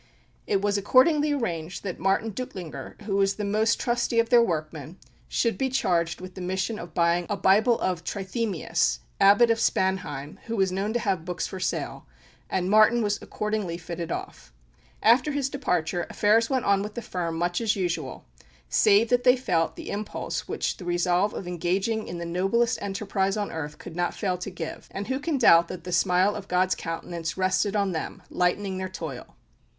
It was accordingly arranged that Martin Duttlinger, who was the most trusty of their workmen, should be charged with the mission of buying a Bible of Trithemius, Abbot of Spanheim, who was known to have books for sale; and Martin was accordingly fitted off. After his departure, affairs went on with the firm much as usual, save that they felt the impulse which the resolve of engaging in the noblest enterprise on earth could not fail to give; and who can doubt that the smile of God's countenance rested on them, lightening their toil?